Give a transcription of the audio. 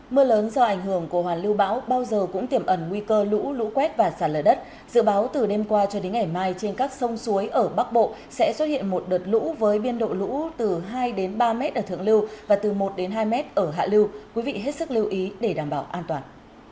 mưa lớn do ảnh hưởng của hoàn lưu bão bao giờ cũng tiềm ẩn nguy cơ lũ lũ quét và sạt lở đất dự báo từ đêm qua cho đến ngày mai trên các sông suối ở bắc bộ sẽ xuất hiện một đợt lũ với biên độ lũ từ hai đến ba m ở thượng lưu và từ một hai m ở hạ lưu quý vị hết sức lưu ý để đảm bảo an toàn